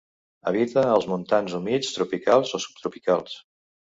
Habita als montans humits tropicals o subtropicals.